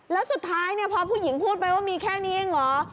แล้วสุดท้ายเนี่ยพอผู้หญิงพูดไปว่ามีแค่นี้เองเหรอ